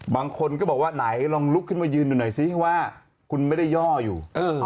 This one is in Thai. บางคนก็บอกว่าไหนลองลุกขึ้นมายืนดูหน่อยซิว่าคุณไม่ได้ย่ออยู่